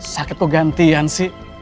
sakit kok gantian sih